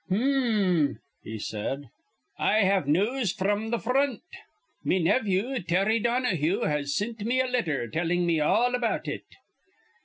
"Hm m!" he said: "I have news fr'm th' fr ront. Me nevvew, Terry Donahue, has sint me a letther tellin' me all about it."